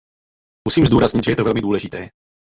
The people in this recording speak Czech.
Musím zdůraznit, že je to velmi důležité.